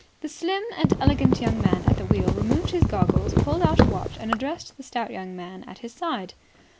The slim and elegant young man at the wheel removed his goggles, pulled out a watch, and addressed the stout young man at his side.